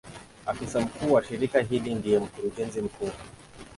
Afisa mkuu wa shirika hili ndiye Mkurugenzi mkuu.